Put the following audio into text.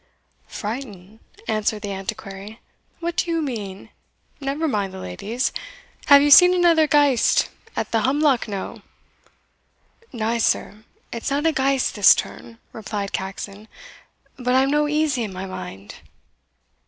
"Frighten!" answered the Antiquary, "what do you mean? never mind the ladies. Have you seen another ghaist at the Humlock knowe?" "Na, sir it's no a ghaist this turn," replied Caxton; "but I'm no easy in my mind."